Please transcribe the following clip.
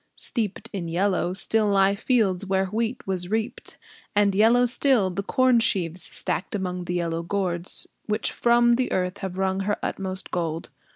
Steeped In yellow, still lie fields where wheat was reaped; And yellow still the corn sheaves, stacked among The yellow gourds, which from the earth have wrung Her utmost gold.